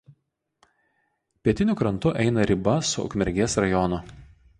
Pietiniu krantu eina riba su Ukmergės rajonu.